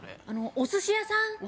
お寿司屋さん？